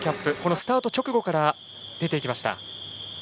スタート直後から出て行きました。